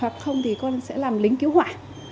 hoặc không thì con sẽ làm lính cứu hỏa